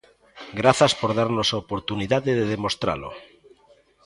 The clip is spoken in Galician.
Grazas por darnos a oportunidade de demostralo.